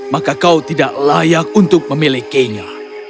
maka kau tidak layak untuk memilikinya